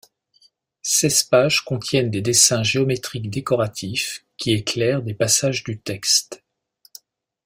Seize pages contiennent des dessins géométriques décoratifs qui éclairent des passages du texte.